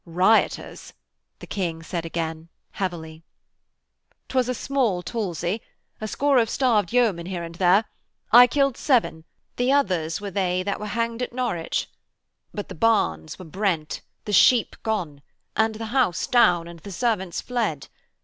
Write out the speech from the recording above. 'Rioters?' the King said again, heavily. ''Twas a small tulzie a score of starved yeomen here and there. I killed seven. The others were they that were hanged at Norwich.... But the barns were brent, the sheep gone, and the house down and the servants fled.